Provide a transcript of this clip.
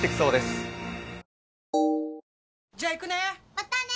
またね！